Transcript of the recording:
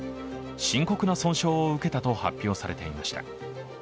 深刻な損傷を受けたと発表されていました。